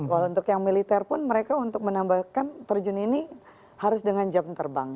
kalau untuk yang militer pun mereka untuk menambahkan terjun ini harus dengan jam terbang